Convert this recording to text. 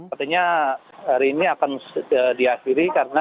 artinya hari ini akan diakhiri karena